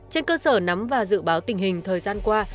trên cơ sở nắm và dự báo tình hình thời gian qua